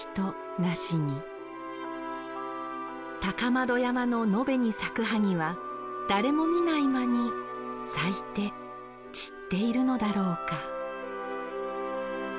高円山の野辺に咲く萩は誰も見ない間に咲いて散っているのだろうか？